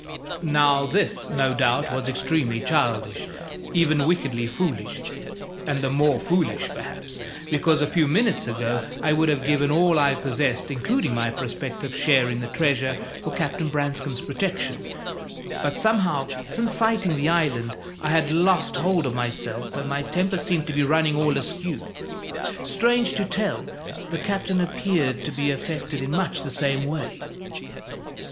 Now, this, no doubt, was extremely childish, even wickedly foolish, and the more foolish, perhaps, because a few minutes ago I would have given all I possessed, including my prospective share in the treasure, for Captain Branscome's protection. But somehow, since sighting the island, I had lost hold of myself, and my temper seemed to be running all askew. Strange to tell, the Captain appeared to be affected in much the same way.